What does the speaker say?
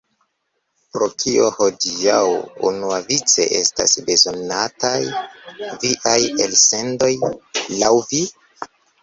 Por kio hodiaŭ unuavice estas bezonataj viaj elsendoj, laŭ vi?